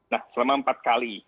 nah selama empat kali